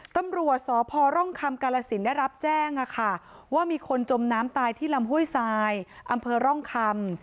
ตำรวจสพร่องคำกาลสินได้รับแจ้งว่ามีคนจมน้ำตายที่ลำห้วยทรายอำเภอร่องคำ